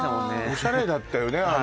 おしゃれだったよね